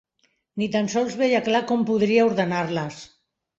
Ni tan sols veia clar com podria ordenar-les.